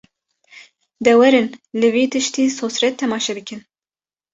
De werin li vî tiştî sosret temaşe bikin